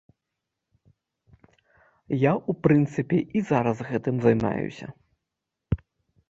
Я, у прынцыпе, і зараз гэтым займаюся.